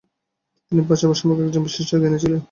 তিনি প্রাচ্যবাদ সম্পর্কে একজন বিশিষ্ট জ্ঞানী ছিলেন।